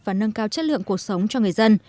và nâng cao chất lượng cuộc sống cho người dân